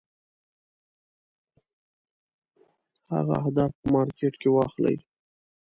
هغه اهداف په مارکېټ کې واخلي.